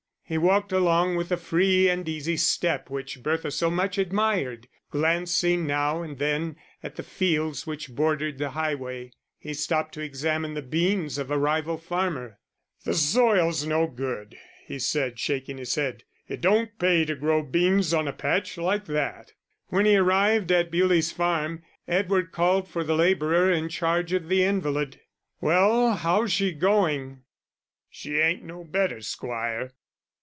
He walked along with the free and easy step which Bertha so much admired, glancing now and then at the fields which bordered the highway. He stopped to examine the beans of a rival farmer. "That soil's no good," he said, shaking his head. "It don't pay to grow beans on a patch like that." When he arrived at Bewlie's Farm, Edward called for the labourer in charge of the invalid. "Well, how's she going?" "She ain't no better, squire."